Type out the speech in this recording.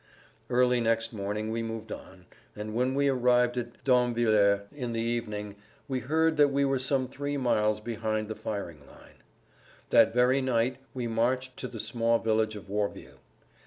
Early next morning we moved on, and when we arrived at Damvillers in the evening we heard that we were some three miles behind the firing line. That very night we marched to the small village of Warville.